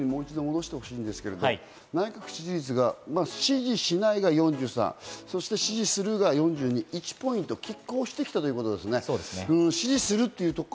内閣の支持率にもう一度戻してほしいんですけれど、支持しないが４３、支持するが４２、１ポイント、拮抗してきたということですね。